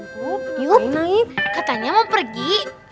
yup yup katanya mau pergi